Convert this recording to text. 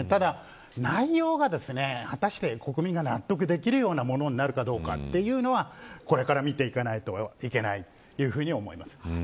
ただ、内容が果たして国民が納得できるようなものになるかどうかというのは、これから見ていかないといけないというふうに思います。